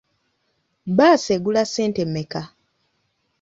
Bbaasi egula ssente mmeka?